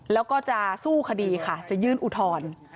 แล้วก็จะสู้คดีค่ะจะยื่นอุทธรณ์